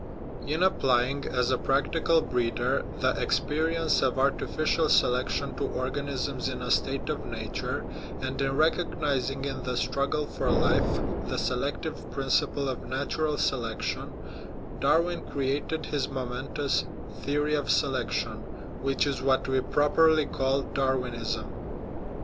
In applying, as a practical breeder, the experience of artificial selection to organisms in a state of nature, and in recognizing in the " struggle for life " the se lective principle of natural selection, Darwin created his momentous " theory of selection," which is what we properly call Darwinism.